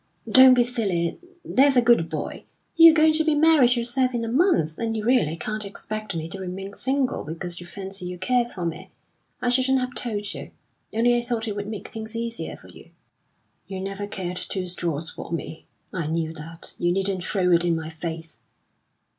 "Don't be silly, there's a good boy! You're going to be married yourself in a month, and you really can't expect me to remain single because you fancy you care for me. I shouldn't have told you, only I thought it would make things easier for you." "You never cared two straws for me! I knew that. You needn't throw it in my face."